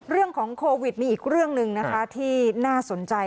เรื่องของโควิดมีอีกเรื่องหนึ่งนะคะที่น่าสนใจ